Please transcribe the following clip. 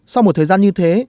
sau một thời gian như thế